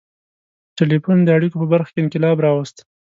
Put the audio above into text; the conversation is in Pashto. • ټیلیفون د اړیکو په برخه کې انقلاب راوست.